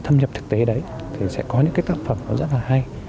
thâm nhập thực tế đấy thì sẽ có những cái tác phẩm nó rất là hay